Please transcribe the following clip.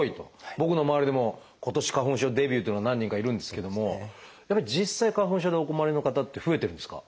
僕の周りでも今年花粉症デビューというの何人かいるんですけどもやっぱり実際花粉症でお困りの方って増えてるんですか？